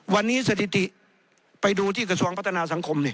วันนี้สถิติไปดูที่กระทรวงพัฒนาสังคม